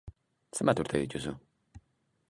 Zenbat urte dituzu?